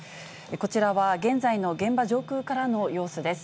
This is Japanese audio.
こちらは、現在の現場上空からの様子です。